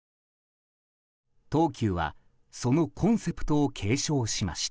東急はそのコンセプトを継承しました。